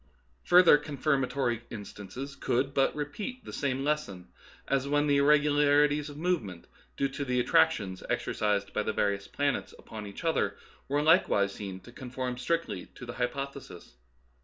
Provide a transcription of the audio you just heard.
Further confirmatory instances could but repeat the same lesson, as when the irregularities of movement, due to the attractions exercised by the various planets upon each other, were likewise seen to conform strictly to the hypothesis.